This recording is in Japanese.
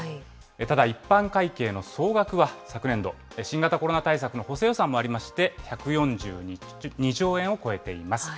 ただ、一般会計の総額は、昨年度、新型コロナ対策の補正予算もありまして、１４２兆円を超えています。